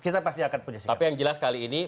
tapi yang jelas kali ini